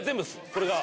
これが。